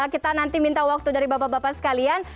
kita nanti minta waktu dari bapak bapak sekalian